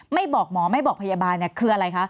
ไม่บอกหมอไม่บอกพยาบาลคืออะไรคะ